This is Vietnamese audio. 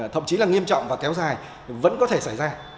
thậm chí là nghiêm trọng và kéo dài vẫn có thể xảy ra